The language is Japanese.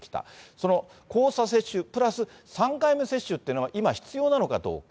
その交差接種プラス３回目接種っていうのは今、必要なのかどうか。